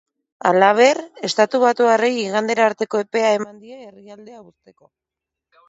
Halaber, estatubatuarrei igandera arteko epea eman die herrialdea uzteko.